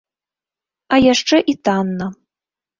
А яшчэ і танна.